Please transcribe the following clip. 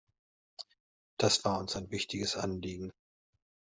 Das war uns ein wichtiges Anliegen.